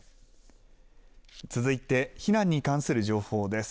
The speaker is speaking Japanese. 続いて、避難に関する情報です。